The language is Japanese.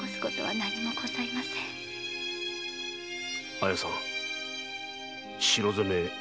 綾さん城攻め